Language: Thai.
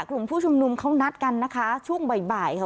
กลุ่มผู้ชุมนุมเขานัดกันนะคะช่วงบ่ายค่ะ